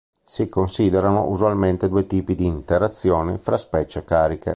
Si considerano usualmente due tipi di interazioni fra specie cariche.